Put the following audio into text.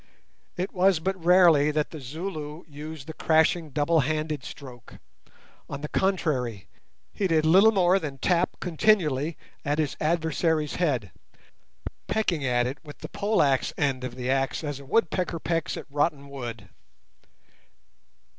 It was but rarely that the Zulu used the crashing double handed stroke; on the contrary, he did little more than tap continually at his adversary's head, pecking at it with the pole axe end of the axe as a woodpecker pecks at rotten wood.